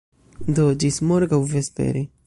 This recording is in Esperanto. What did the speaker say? Do, ĝis morgaŭ vespere.